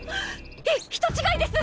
ひ人違いです！